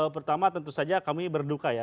pertama tentu saja kami berduka ya